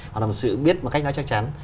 hoặc là một sự biết một cách nó chắc chắn